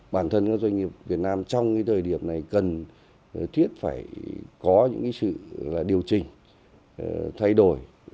bản thân các doanh nghiệp việt nam trong thời điểm này cần thiết phải có những sự điều chỉnh thay đổi